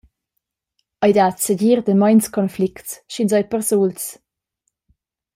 Ei dat segir dameins conflicts sch’ins ei persuls.